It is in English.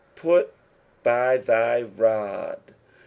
Put by thy rod.